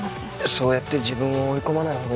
そうやって自分を追い込まないほうがいいよ。